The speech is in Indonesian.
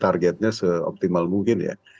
targetnya seoptimal mungkin ya